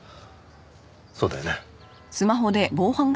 そうだよね？